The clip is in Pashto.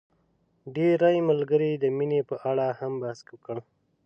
ډېری ملګرو د مينې په اړه هم بحث وکړ.